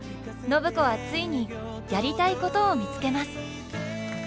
暢子はついにやりたいことを見つけます。